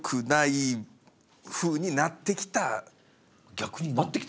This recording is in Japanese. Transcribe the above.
逆になってきた？